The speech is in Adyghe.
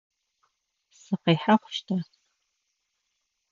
Сыкъихьэ хъущта?